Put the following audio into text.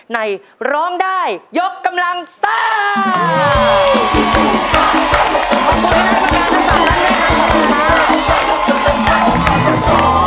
ในร้องได้ยกกำลังซ่า